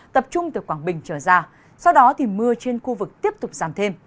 tập trung từ quảng bình trở ra sau đó thì mưa trên khu vực tiếp tục giảm thêm